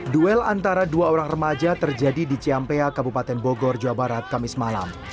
duel antara dua orang remaja terjadi di ciampea kabupaten bogor jawa barat kamis malam